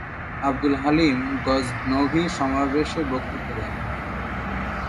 আবদুল হালিম গজনভি সমাবেশে বক্তৃতা দেন।